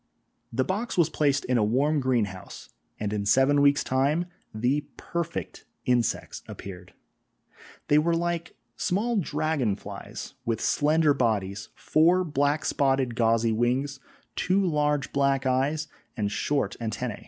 The box was placed in a warm greenhouse, and in seven weeks' time the perfect insects appeared. They were like small dragon flies, with slender bodies, four black spotted gauzy wings, two large black eyes and short antennæ.